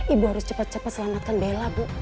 ibu harus cepat cepat selamatkan bella bu